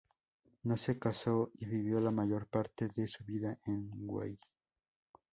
No se casó y vivió la mayor parte de su vida en Wye.